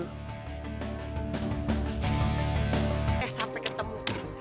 eh sampai ketemu